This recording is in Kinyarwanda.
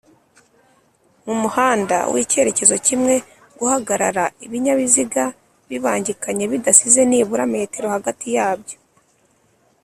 mumuhanda w’icyerekezo kimwe guhagarara Ibinyabiziga bibangikanye bidasize nibura m hagati yabyo